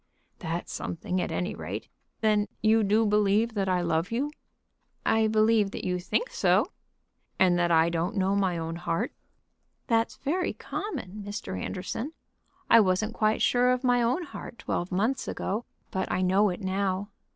"That's something, at any rate. Then you do believe that I love you?" "I believe that you think so." "And that I don't know my own heart?" "That's very common, Mr. Anderson. I wasn't quite sure of my own heart twelve months ago, but I know it now."